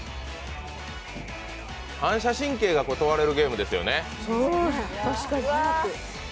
反射神経が問われるゲームですよね。